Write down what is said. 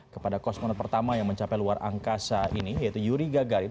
kepada kosmonot pertama yang mencapai luar angkasa ini yaitu yuri gagarin